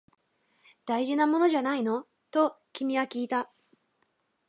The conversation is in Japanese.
大事なものじゃないの？と君はきいた